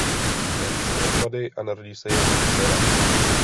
Dají se dohromady a narodí se jim dcera.